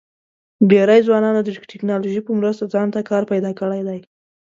ډېری ځوانانو د ټیکنالوژۍ په مرسته ځان ته کار پیدا کړی دی.